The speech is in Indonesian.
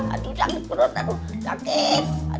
aduh sakit perut aduh sakit